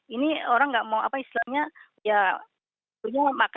ini orang tidak mau apa istilahnya ya punya memakan seperti defense mechanism gitu ya